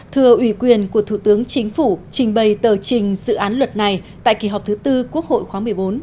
thừa ủy quyền của thủ tướng chính phủ trình bày tờ trình dự án luật này tại kỳ họp thứ tư quốc hội khóa một mươi bốn